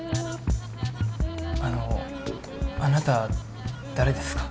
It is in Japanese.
あのあなた誰ですか？